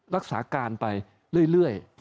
รักษาการไปเรื่อย